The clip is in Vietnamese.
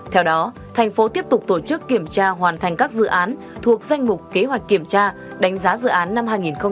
theo đó thành phố tiếp tục tổ chức kiểm tra hoàn thành các dự án thuộc danh mục kế hoạch kiểm tra đánh giá dự án năm hai nghìn hai mươi